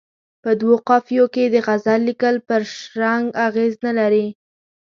په دوو قافیو کې د غزل لیکل پر شرنګ اغېز نه لري.